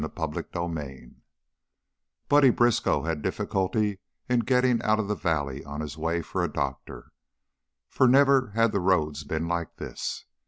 CHAPTER XXVII Buddy Briskow had difficulty in getting out of the valley on his way for a doctor, for never had the roads been like this.